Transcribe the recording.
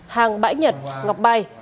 hàng bãi nhật ngọc bay